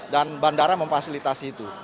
dan bandara memfasilitasi itu